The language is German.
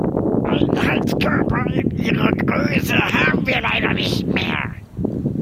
Einen Heizkörper in Ihrer Größe haben wir leider nicht mehr.